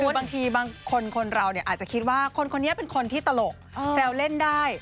คือบางทีบางคนคนเราอาจจะคิดว่าคนคนนี้เป็นคนที่ตลกแซวเล่นได้